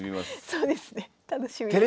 そうですね楽しみです。